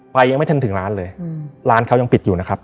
ยังไม่ทันถึงร้านเลยร้านเขายังปิดอยู่นะครับ